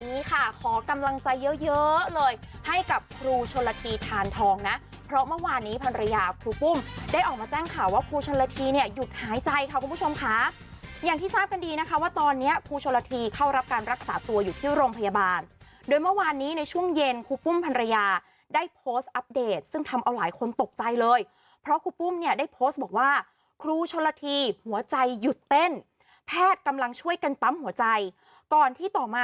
นี้ค่ะขอกำลังใจเยอะเลยให้กับครูชนละทีทานทองนะเพราะเมื่อวานนี้พรรยาครูปุ้มได้ออกมาแจ้งข่าวว่าครูชนละทีเนี่ยหยุดหายใจครับคุณผู้ชมค่ะอย่างที่ทราบกันดีนะคะว่าตอนนี้ครูชนละทีเข้ารับการรักษาตัวอยู่ที่โรงพยาบาลโดยเมื่อวานนี้ในช่วงเย็นครูปุ้มพรรยาได้โพสต์อัพเดทซึ่งทำเอาหลายคนต